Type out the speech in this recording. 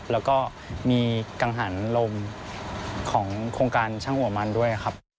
แล้วก็มีกังหันลมของโครงการช่างหัวมันด้วยครับ